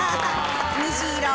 虹色！